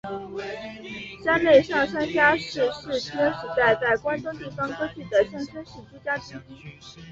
山内上杉家是室町时代在关东地方割据的上杉氏诸家之一。